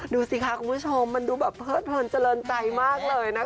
ดูสิค่ะคุณผู้ชมมันดูแบบเพิดเพลินเจริญใจมากเลยนะคะ